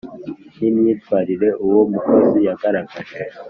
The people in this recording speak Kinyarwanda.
ni myitwarire uwo umukozi yagaragaje